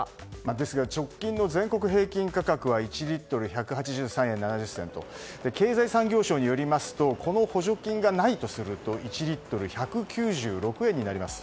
ですが、直近の全国平均価格は１リットル１８３円７０銭と経済産業省によりますとこの補助金がないとなりますと１リットル当たり１９６円になります。